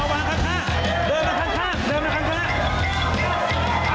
โอ้โฮเดี๋ยว